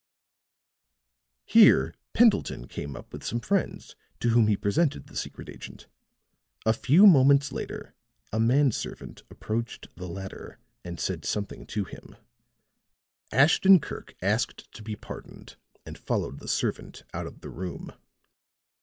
Here Pendleton came up with some friends to whom he presented the secret agent; a few moments later a man servant approached the latter and said something to him. Ashton Kirk asked to be pardoned and followed the servant out of the room.